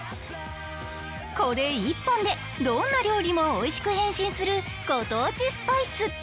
これ１本でどんな料理もおいしく変身するご当地スパイス。